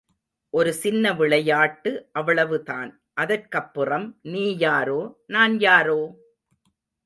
ஒரு சின்ன விளையாட்டு அவ்வளவு தான் அதற்கப்புறம் நீ யாரோ நான் யாரோ!